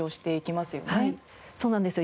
そうなんですよ。